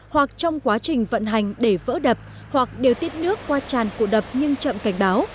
hoặc trong quá trình vận hành để vỡ đập hoặc điều tiết nước qua tràn cổ đập nhưng chậm cảnh báo